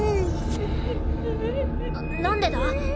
何でだ？